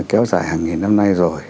kéo dài hàng nghìn năm nay rồi